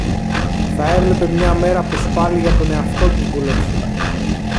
θα έβλεπε μια μέρα πως πάλι για τον εαυτό του δούλεψε